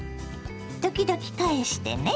時々返してね。